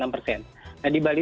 enam persen nah di bali